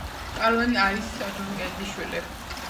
კაროლაინ არის ჯონ კენედის შვილი.